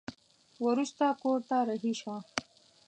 وروسته کور ته رهي شوه.